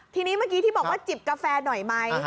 ทีนี้เมื่อกี้ที่บอกว่าจิบกาแฟหน่อยไหม